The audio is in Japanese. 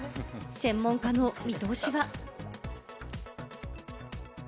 専門家の見通しは。